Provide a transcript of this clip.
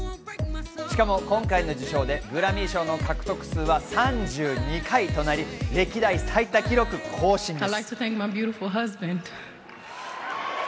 しかも今回の受賞でグラミー賞の獲得数は３２回となり、歴代最多記録更新です。